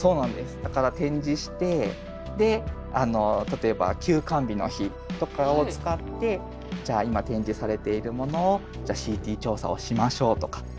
だから展示してで例えば休館日の日とかを使ってじゃあ今展示されているものをＣＴ調査をしましょうとかそういうことも博物館はやってるんです。